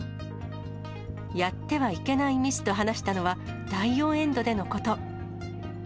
やってはいけないミスと話したのは、第４エンドでのこと。